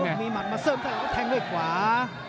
หล่อหล่อมีหมุนมาเสริมทางด้วยขวา